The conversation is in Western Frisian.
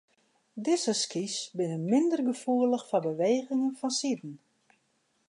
Dizze skys binne minder gefoelich foar bewegingen fansiden.